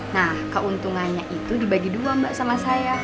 nah keuntungannya itu dibagi dua mbak sama saya